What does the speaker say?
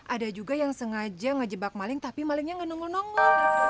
ada juga yang sengaja ngejebak maling tapi malingnya ngenong nongguin